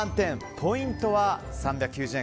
ポイントは３９０円。